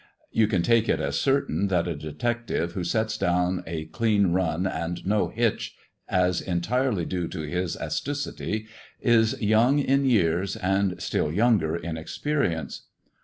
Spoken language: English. You can take jrtain that a detective who sets down a clean run and jh as entirely due to his astucity, is young in years, II younger in experience.